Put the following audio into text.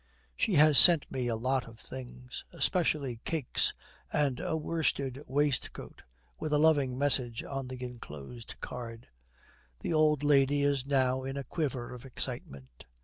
'She has sent me a lot of things, especially cakes, and a worsted waistcoat, with a loving message on the enclosed card.' The old lady is now in a quiver of excitement.